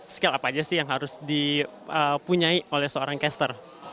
skill apa aja sih yang harus dipunyai oleh seorang caster